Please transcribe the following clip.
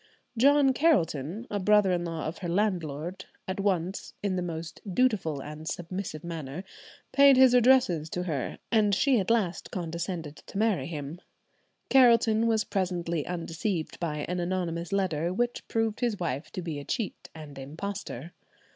John Carelton, a brother in law of her landlord, at once, "in the most dutiful and submissive manner," paid his addresses to her, and she at last condescended to marry him. Carelton was presently undeceived by an anonymous letter, which proved his wife to be a cheat and impostor.